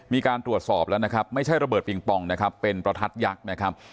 มีการตรวจสอบแล้วนะครับไม่ใช่ระเบิดปิงปองนะครับเป็นประทัดยักษ์นะครับ